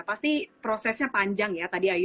pasti prosesnya panjang ya tadi ayu